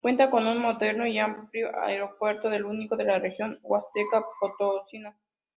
Cuenta con un moderno y amplio aeropuerto, el único de la región Huasteca potosina.